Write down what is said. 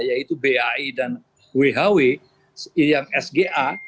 yaitu bai dan whw yang sga